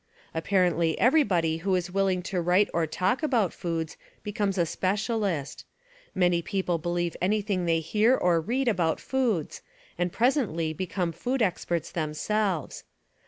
Apparently everybody who is willing to write or talk about foods becomes a specialist; many people believe anything they hear or read about foods and Misinfor presently become food experts themselves.